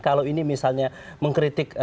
kalau ini misalnya mengkritik